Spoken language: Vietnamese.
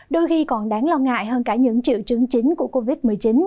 đôi khi còn đáng lo ngại hơn cả những triệu chứng chính của covid một mươi chín